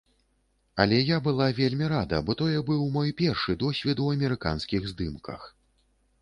Але я была вельмі рада, бо тое быў мой першы досвед у амерыканскіх здымках.